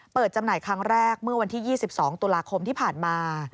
จำหน่ายครั้งแรกเมื่อวันที่๒๒ตุลาคมที่ผ่านมา